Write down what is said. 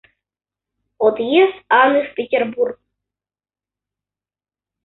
Отъезд Анны в Петербург.